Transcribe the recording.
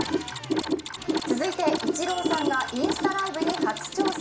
続いて、イチローさんがインスタライブに初挑戦。